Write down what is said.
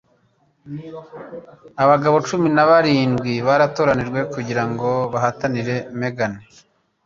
Abagabo cumi na barindwi batoranijwe kugirango bahatanire Megan.